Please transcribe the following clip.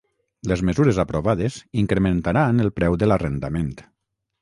Les mesures aprovades incrementaran el preu de l'arrendament